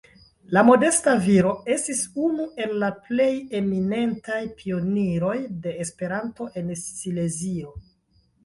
La modesta viro estis unu el la plej eminentaj pioniroj de Esperanto en Silezio.